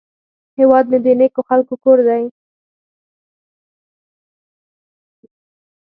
هیواد مې د نیکو خلکو کور دی